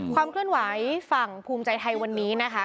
ความเคลื่อนไหวฝั่งภูมิใจไทยวันนี้นะคะ